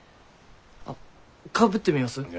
あっ被ってみます？